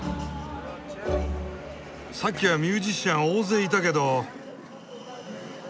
さっきはミュージシャン大勢いたけど。